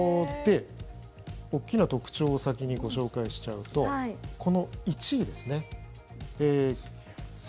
大きな特徴を先にご紹介しちゃうとこの１位ですね。